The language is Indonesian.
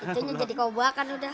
itunya jadi kobakan udah